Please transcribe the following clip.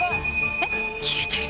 えっ、消えてる！